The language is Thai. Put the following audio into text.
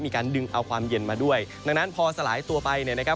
มีการดึงเอาความเย็นมาด้วยดังนั้นพอสลายตัวไปเนี่ยนะครับ